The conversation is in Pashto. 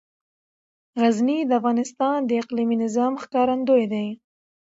غزني د افغانستان د اقلیمي نظام ښکارندوی ده.